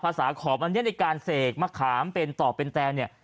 ขอบอันนี้ในการเสกมะขามเป็นต่อเป็นแตงเนี่ย